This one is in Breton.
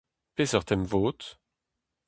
Peseurt emvod ?